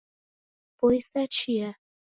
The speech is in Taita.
Poisa chia